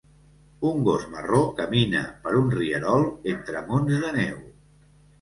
Un gos marró camina per un rierol entre munts de neu